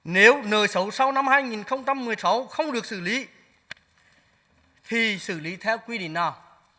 nếu nợ xấu sau năm hai nghìn một mươi sáu không được xử lý thì xử lý theo quy định nào